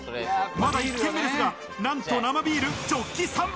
まだ１軒目ですが、なんと生ビールジョッキ３杯！